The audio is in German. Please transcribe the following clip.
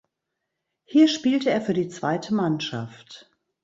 Hier spielte er für die zweite Mannschaft.